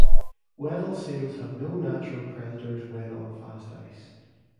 Weddell seals have no natural predators when on fast ice.